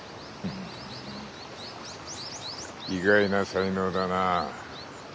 ふん意外な才能だな。